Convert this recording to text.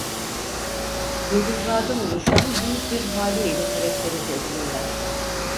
Yıldızlardan oluşan büyük bir hale ile karakterize edilirler.